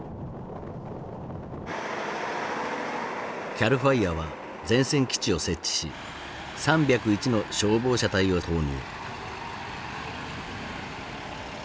ＣＡＬＦＩＲＥは前線基地を設置し３０１の消防車隊を投入。